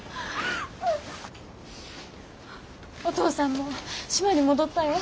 お父さんも島に戻ったよ。